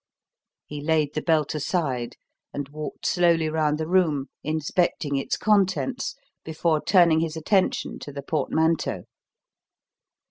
He laid the belt aside, and walked slowly round the room, inspecting its contents before turning his attention to the portmanteau.